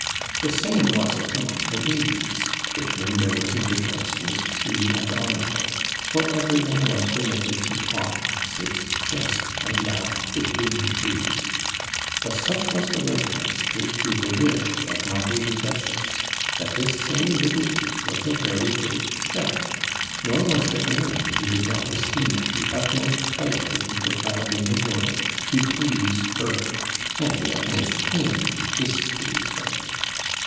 The same was it among the ladies, with whom there was intercourse most free and honorable; for every one was permitted to talk, sit, jest, and laugh with whom he pleased; but such was the reverence paid to the wish of my lady Duchess, that this same liberty was a very great check; nor was there any one who did not esteem it the utmost pleasure he could have in the world to please her, and the utmost pain to displease her.